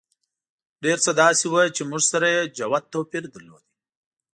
ډېر څه داسې وو چې موږ سره یې جوت توپیر درلود.